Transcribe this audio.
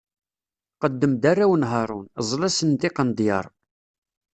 Qeddem-d arraw n Haṛun, Ẓẓels-asen tiqendyar.